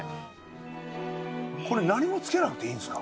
これ何もつけなくていいんですか？